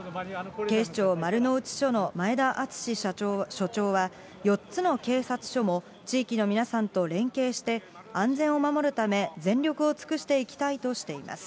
警視庁丸の内署の前田敦署長は、４つの警察署も地域の皆さんと連携して、安全を守るため全力を尽くしていきたいとしています。